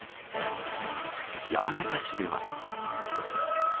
山形市では。